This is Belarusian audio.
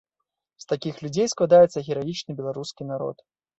З такіх людзей складаецца гераічны беларускі народ.